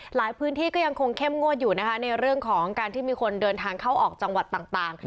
หลายพื้นที่ก็ยังคงเข้มงวดอยู่นะคะในเรื่องของการที่มีคนเดินทางเข้าออกจังหวัดต่าง